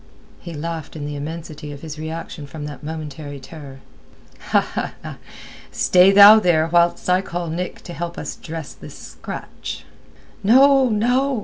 He laughed in the immensity of his reaction from that momentary terror. "Stay thou there whilst I call Nick to help us dress this scratch." "No, no!"